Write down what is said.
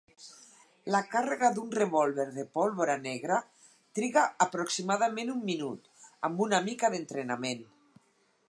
La càrrega d'un revòlver de pólvora negra triga aproximadament un minut amb una mica d'entrenament.